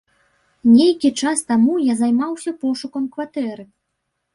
Нейкі час таму я займаўся пошукам кватэры.